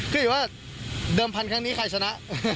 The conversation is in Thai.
ก็อยู่ว่าเดิมพันธุ์ครั้งนี้ใครชนะ